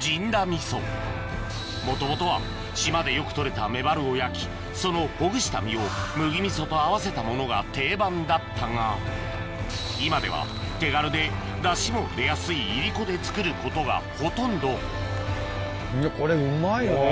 味噌もともとは島でよく取れたメバルを焼きそのほぐした身を麦味噌と合わせたものが定番だったが今では手軽で出汁も出やすいいりこで作ることがほとんどこれうまいよね。